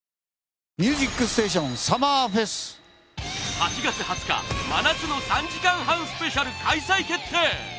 ８月２０日真夏の３時間半スペシャル開催決定！